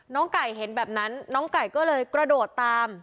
ไก่เห็นแบบนั้นน้องไก่ก็เลยกระโดดตาม